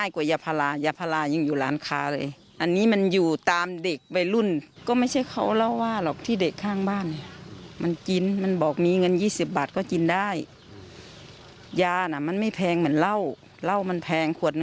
การที่บ้าเกิดเหยียดอย่างนี้ลงได้เยอะนะ